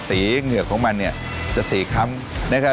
สีเหงื่อของมันจะสีค้ำนะครับ